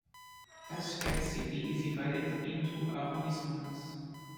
Tashkent city is divided into arrondissements.